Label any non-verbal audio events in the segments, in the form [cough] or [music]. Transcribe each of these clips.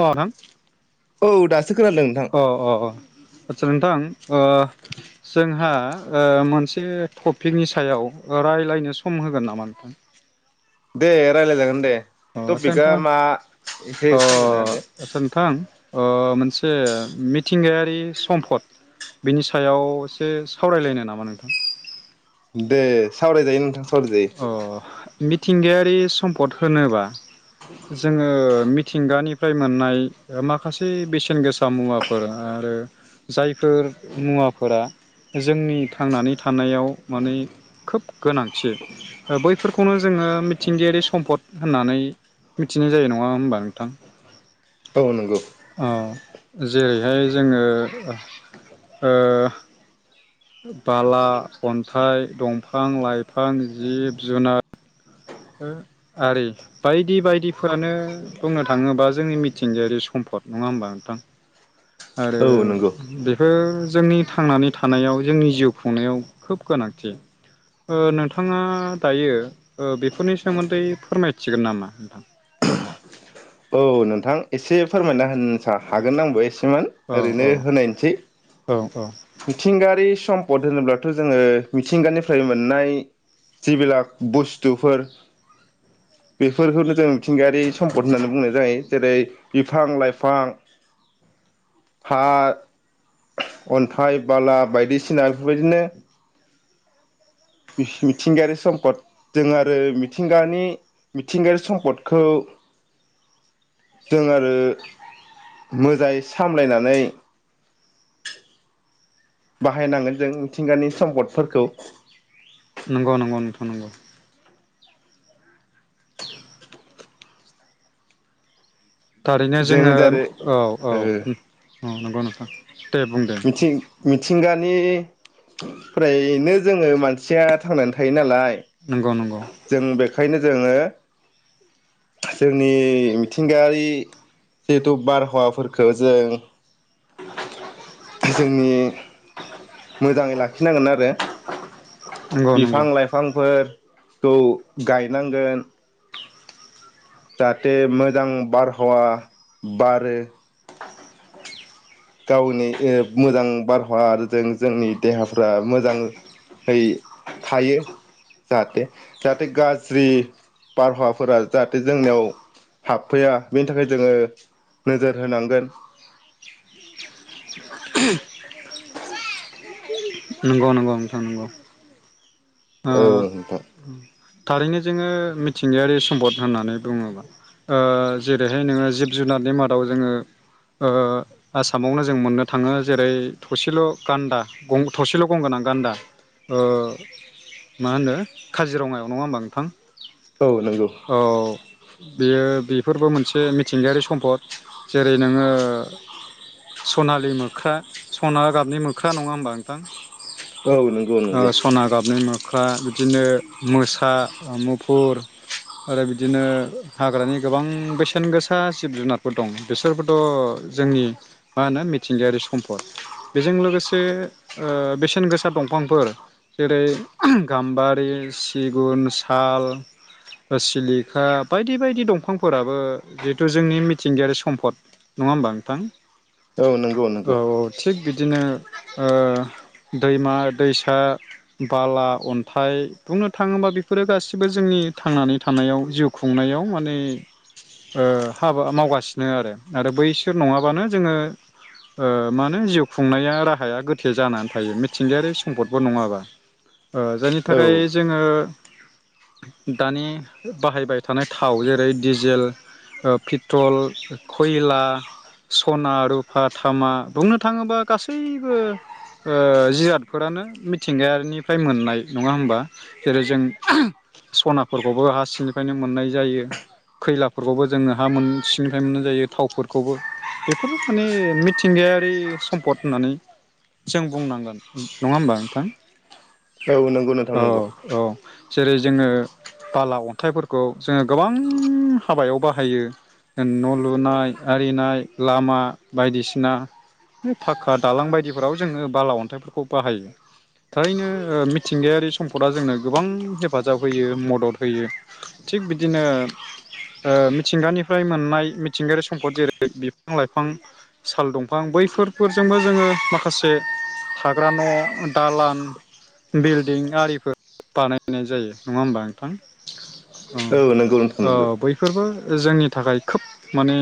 अ' नों थां। औ दासो। खोनादों नोंथां। अ अ अ आचचा नोंथां। ओ जोंहा मोनसे टपिकनि सायाव रायज्लायनो सम होगोन नामा नोंथां। दे रायलाय जागोन दे। अ आदसा टपिकआ नोंथां मा एसे अ फोरमायना होदों! आदसा नोंथां मोनसे मिथिंगायारि सम्फद बिनि सायाव एसे सावरायलायनो नामा नोंथां। दे सावरायजायो नोंथां। सावराय। अ मिथिंगायारि सम्पद होनोबा जोङो मिथिंगानिफ्राय मोननाय माखासे बेसेन गोसा मुवाफोर आरो जायफोर मुवाफोरा जोंनि थांनानै थानायाव माने खोब गोनांथि। बैफोरखौनो जोङो मिथिंगायारि सम्पद होननानै मिथिनाय जायो नङा होमबा नोंथां औ नंगौ औ जेरैहाय जोङो ओ बाला अन्थाइ दंफां लाइफां जिब जुनार आरि बायदि बायदिफोरानो बुंनो थाङोबा जोंनि मिथिंगायारि सम्पद नङा होमबा नोंथां? आरो नंगौ। बेे बे जोंनि थांनानै थानायाव जोंनि जिउ खुंनायाव खोब गोनांथि नोंथाङा दायो बे बेफोरनि सोमोन्दै फोरमायथिगोन नामा नोंथां औ नोंथां एसे फोरमायना होनो हागोन आंबो एसे औ ओरैनो औ होनायसै औ औ मिथिंगारि सम्पद होनोब्लाथ' जोङो मिथिंगानिफ्राय मोननाय जेबिलाक बुस्थुफोर बेफोरखौनो जों मिथिंगायारि सम्पद होनो बुंनाय जायो जेरै बिफां- लाइफां हा अन्थाइ बाला बायदिसिना बेबायदिनो मिथिंगायारि सम्पद जों आरो मिथिंगानि मिथिंगायारि सम्पदखौ जों आरो मोजाङै सामलायनानै बाहायनांगोन जों मिथिंगानि सम्पदफोरखौ नंगौ नंगौ नोंथां नंगौ। थारैनो जोङो औ औ उम नंगौ नोंथां। दे बुंदो। थिंगानिफ्रायनो जोङो मानसिया थांनानै थायो नालाय। नंगौ नंगौ जों बेखायनो जोङो जोंनि मिथिंगायारि जिहेथु बारहावाफोरखो जों जोंनि मोजाङै लाखिनांगोन आरो। नंगौ नंगौ बिफां लाइफांफोर खौ गायनांगोन। जाहाथे मोजां बारहावा बारो। गावनि एह मोजां बारहावा आरो जों जोंनि देहाफ्रा मोजांहै थायो जाहाथे जाहाथे गाज्रि बारहावाफोरा जाहाथे जोंनियाव हाबफैया बेनि थाखाय जोङो नोजोर होनांगोन। नंगौ नंगौ नोंथां नंगौ। ओ औ नोंथां थारैनो जोङो मिथिंगायारि सम्पद होननानै बुङोबा ओ जेरैहाय नोङो जिब जुनारनि मादाव जोङो ओ आसामावनो जों मोननो थाङो जेरै थसेल' गान्दा गं थसेल' गंगोनां गान्दा ओ मा होनो काजिरङायाव नङा होमबा नोंथां? औ नंगौ। औ बेयो बेफोरबो मोनसे मिथिंगायारि सम्पद जेरै नोङो सनालि मोख्रा सना गाबनि मोख्रा नङा होमबा नोंथां? औ नंगौ ओ नंगौ सना गाबनि मो ख्रा बिदिनो मोसा मुफुर आरो बिदिनो हाग्रानि गोबां बेसेन गोसा जिब जुनारफोर दं बिसोरबोथ' जोंनि मा होनो मिथिंगायारि सम्फद बेजों लोगोसे ओ बेसेन गोसा दंफां फोर जेरै गाम्बारि सिगुन साल सिलिखा बायदि बायदि दंफांफोराबो जिहेथु जोंनि मिथिंगायारि सम्फद नङा होमबा नोंथां? औ नंगौ नंगौ। दिनो ओ दैमा दैसा बाला अन्थाइ बुंनो थाङोबा बेफोरो गासिबो जोंनि थांनानै थानायाव जिउ खुंनायाव माने ओ हाबा मावगासिनो आरो आरो बैसोर नङाबानो जोङो ओ मा होनो जिउ खुंनाया राहाया गोथे जानानै थायो मिथिंगायारि सम्पदफोर नङाबा। ओ जायनि थाखाय औ जोङो दानि बाहायबाय थानाय थाव जेरै डिजेल, ओ पिट्रल, खयला, सना, रुफा, थामा बुंनो थाङोबा गासैबो ओ जिराद फोरानो मिथिंगायारिनिफ्राय मोननाय नङा होमबा जेरै जों सनाफोरखौबो हा सिंनिफ्रायनो मोननाय जायो खैलाफोरखौबो जोङो हा मोन सिंनिफ्रायनो मोननाय जायो थावफोरखौबो बेफोरबो माने मिथिंगायारि सम्पद होननानै जों बुंनांगोन। नङा होमबा नोंथां? औ नंगौ नोंथां औ नंगौ। औ जेरै जोङो बाला अन्थाइफोरखौ जोङो गोबां हाबायाव बाहायो न' लुनाय आरिनाय लामा बायदिसिना बे फाख्खा दालां बायदिफोराव जोङो बाला अन्थाइफोरखौ बाहायो थारैनो ओ मिथिंगायारि सम्पदा जोंनो गोबां हेफाजाब होयो मदद होयो थिग बिदिनो ओ मिथिंगानिफ्राय मोननाय मिथिंगायारि सम्पद जेरै बिफां लाइफां साल दंफां बैफोरफोरजोंबो जोङो माखासे था ग्रा न' दालान बिल्दिं आरिफोर बानायनाय जायो नङा होमबा नोंथां? औ नोंगौ नोंथां नोंगौ। ओ जोंनि थाखाय खोब माने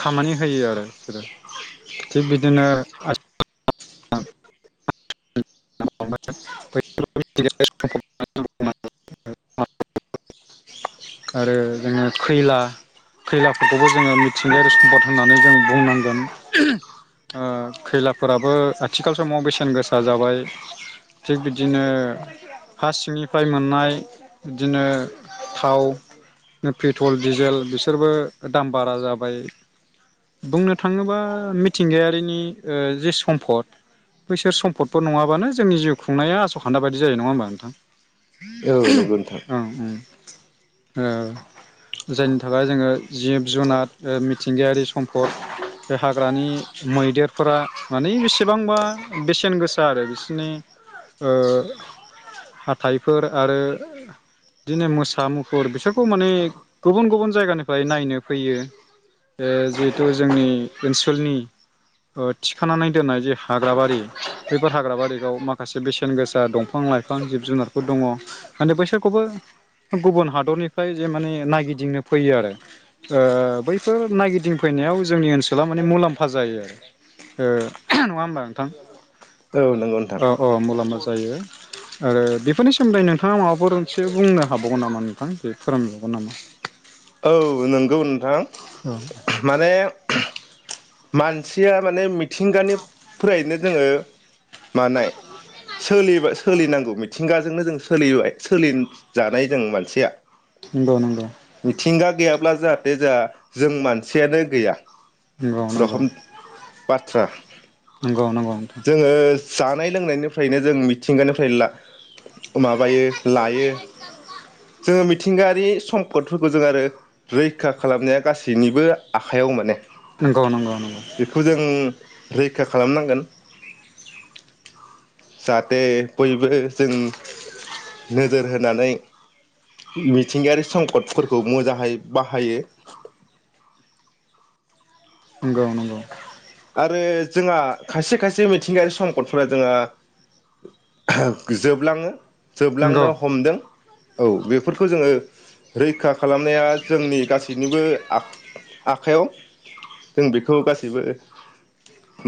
खामानि होयो आरो बिसोरो थिग बिदिनो [unintelligible] [unintelligible] आरो जोङो खैला खैलाफोरखौबो जोङो मिथिंगायारि सम्पद होननानै जों बुंनांगोन ओ खैलाफोराबो आथिखाल समाव बेसेन गोसा जाबाय थिग बिदिनो हा सिंनिफ्राय मोननाय बिदिनो थाव, पेट्रल, डिजेल बिसोरबो दाम बारा जाबाय बुंनो थाङोबा मिथिंगायारिनि ओ जे सम्फद बैसोर सम्फदफोर नङा बानो जोंनि जिउ खुंनाया आस'खान्दा बायदि जायो नङा होमबा नोंथां? औ नंगौ नोंथां। ओं ओं ओ जायनि थाखाय जोङो जिब जुनार मिथिंगायारि सम्फद बे हाग्रानि मैदेरफोरा मानि बेसेबांबा बेसेन गोसा आरो बि सिनि हाथाइफोर आरो बिदिनो मोसा मुफुर बिसोरखौ माने गुबुन गुबुन जायगानिफ्राय नायनो फैयो ओ जिहेथु जोंनि ओनसोलनि थिखानानै दोननाय जे हाग्राबारि बेफोर हाग्राबारि याव माखासे बेसेन गोसा दंफां लाइफां जिब जुनारफोर दङ माने बैसोरखौबो गुबुन हादरनिफ्राय जे माने नायगिदिंनो फैयो आरो ओ बैफोर नायगिदिंफैनायाव जोंनि ओनसोला माने मुलाम्फा जायो आरो ओ नङा होमबा नोंथां? औ नोंगौ नों औ औ मुलामफा जायो आरो बेफोरनि सोमोन्दै नोंथाङा माबाफोर से बुंनो हाबावगोन नामा नोंथां बे फोरमायबावगोन नामा? नोंगौ नों थां माने मानसिया माने मिथिंगानिफ्रायनो जोङो मानाय सोलिबा सोलिनांगौ मिथिंगाजोंनो जों सोलिबाय सोलिजानाय जों मानसिया नंगौ नंगौ। ब्ला जाहाथे जोंहा जों मानसियानो गैया नंगौ नंगौ रखम बाथ्रा। नंगौ नंगौ नोंथां जोङो जानाय लोंनायनिफ्रायनो जों मिथिंगानिफ्राय ला माबायो लायो। जोङो मिथिंगायारि सम्पदफोरखौ जों आरो रैखा खालामनाया गासैनिबो आखाइयाव माने। नंगौ नंगौ नंगौ। बेखौ जों रैखा खालामनांगोन जाहाथे बयबो जों नोजोर होनानै मिथिंगायारि संकदफोरखौ मोजाहाय बाहायो नोंगौ नंगौ। आरो जोंहा खायसे खायसे मिथिंगायारि संकदफोरा जोंहा जोबलाङो नंगौ जोबलांनो हमदों औ बेफोरखौ जोङो रैखा खालामनाया जोंनि गासैनिबो आ-आखयाव जों बेखौ गासैबो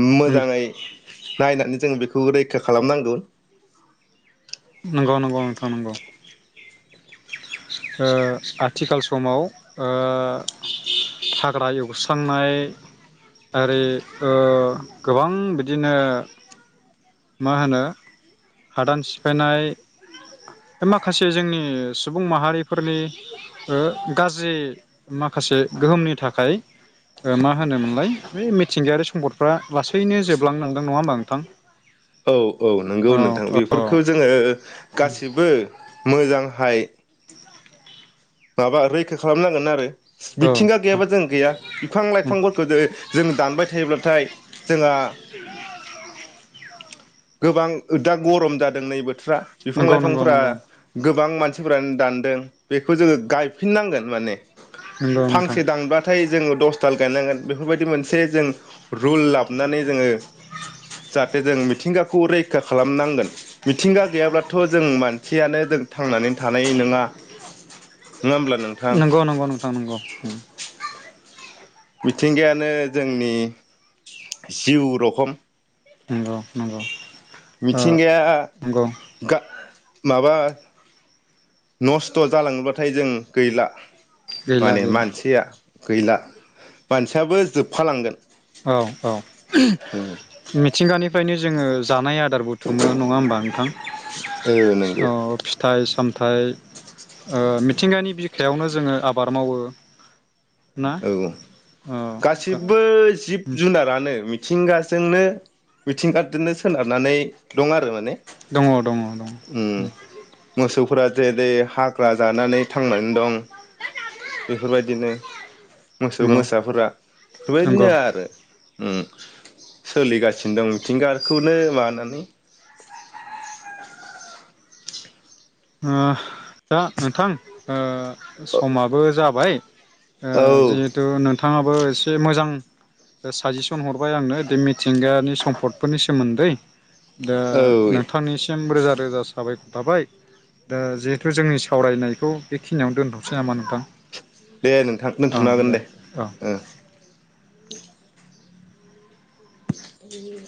उम मोजाङै नायनानै जोङो बेखौ रैखा खालामनांगौ। नंगौ नंगौ नोंथां नंगौ। ओ आथिखाल समाव ओ हाग्रा एवस्रांनाय आरि ओ गोबां बिदिनो मा होनो हादान सिफायनाय माखासे जोंनि सुबुं माहारिफोरनि ओ गाज्रि माखासे गोहोमनि थाखाय ओ मा होनोमोनलाय बे मिथिंगायारि सम्पदफ्रा लासैनो जोबलांनांदों नङा होमबा नोंथां? औ औ नंगौ नोंथां बेफोरखौ औ जोङो गासिबो मोजांहाय माबा रैखा खालामनांगोन आरो मिथिंगा गैयाबा जों गैया बिफां औ लाइफांफोरखौ जेरै जों दानबाय थायोब्लाथाय जोंहा गोबां ओ दा गरम जादों नै बोथ फ्रा बिफां नंगौ नंगौ लाइफांफोरा नंगौ गोब बां मानसिफोरानो दानदों बेख खौ जोङो गायफिननांगोन माने नंगौ नोंथां फांसे दानब्लाथाय जोङो दसथाल गायनांगोन बेफोरबायदि मोनसे जों रुल लाबनानै जोङो जाहाथे जों मिथिंगाखौ रैखा खालामनांगोन। मिथिंगा गैयाब्लाथ' जों मान सियानो जों थांनानै थानाय नोङा। नंगौ नंगौ नोंथां नंगौ। मिथिंगायानो जोंनि जिउ रोखम नंगौ नंगौ‌। मिथिंगाया गा माबा नस्थ' जालाङोबाथाय जों गैला। गैला माने गैला मानसिया गैला मानसियाबो जोबफालांगोन। औ औ मिथिंगानि फ्रायनो जोङो जानाय आदार बुथुमो नङा होमबा नोंथां? ओ नोंगो। थाय ओ मिथिंगानि बिखायावनो जोङो आबाद मावो। ना औ ओ गासिबो जिब जुनारानो मिथिंगाजोंनो मिथिंगादोनो सोनारनानै दं आरो माने दङ दङ दङ उम जेरे हाक जानानै थांनानै दं बेफोरबायदिनो मोसौ नंगौ मोसाफोरा बेफोरबायदिनो नंगौ आरो उम सोलिगासिनो दं मिथिंगाखौनो माबानानै। ओ दा नोंथां ओ समाबो जाबाय। ओ औ जिहेथु नोंथा थाङाबो एसे मोजां साजेसन हरबाय आंनो बे मिथिंगानि सम्फदफोरनि सोमोन्दै। दा औ नोंथांनिसिम रोजा रोजा साबायखर थाबाय। दा जिहेथु जोंनि सावरायनायखौ बेखिनियावनो दोनथसै नामा नोंथां? दे नोंथां औ दोनथनो हागोन दे औ ओ। [inaudible]